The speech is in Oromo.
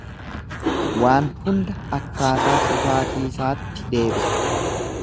Waan hunda akkaataa dhufaatiisaatti deebisu.